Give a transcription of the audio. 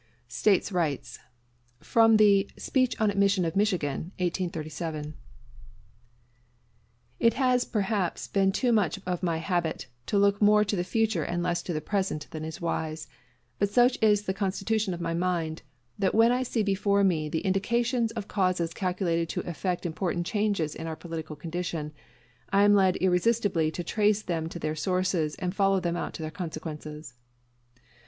STATE RIGHTS From the 'Speech on the Admission of Michigan,' 1837 It has perhaps been too much my habit to look more to the future and less to the present than is wise; but such is the constitution of my mind that when I see before me the indications of causes calculated to effect important changes in our political condition, I am led irresistibly to trace them to their sources and follow them out in their consequences.